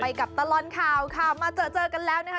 กับตลอดข่าวค่ะมาเจอเจอกันแล้วนะคะ